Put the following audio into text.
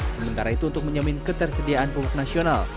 sementara itu untuk menjamin ketersediaan pupuk nasional